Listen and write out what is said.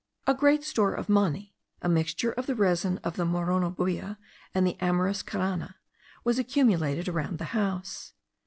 A great store of mani (a mixture of the resin of the moronoboea and the Amyris carana) was accumulated round the house.